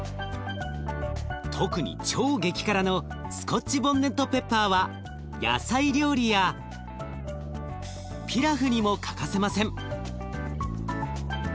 特に超激辛のスコッチボネットペッパーは野菜料理やピラフにも欠かせません。